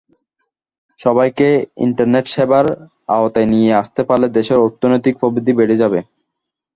সবাইকে ইন্টারনেট সেবার আওতায় নিয়ে আসতে পারলে দেশের অর্থনৈতিক প্রবৃদ্ধি বেড়ে যাবে।